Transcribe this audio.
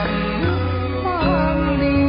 ทรงเป็นน้ำของเรา